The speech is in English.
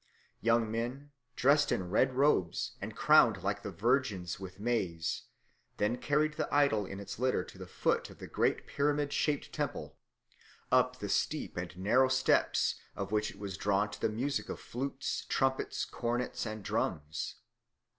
Young men, dressed in red robes and crowned like the virgins with maize, then carried the idol in its litter to the foot of the great pyramid shaped temple, up the steep and narrow steps of which it was drawn to the music of flutes, trumpets, cornets, and drums.